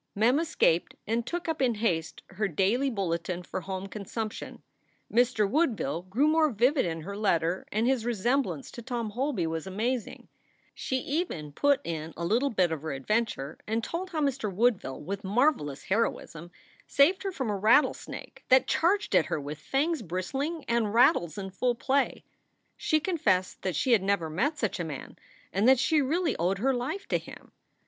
Mem escaped and took up in haste her daily bulletin for home consumption. Mr. Woodville grew more vivid in her letter and his resemblance to Tom Holby was amazing. She even put in a little bit of her adventure and told how Mr. Woodville with marvelous heroism saved her from a rattle snake that charged at her with fangs bristling and rattles in full play. She confessed that she had never met such a man and that she really owed her life to him.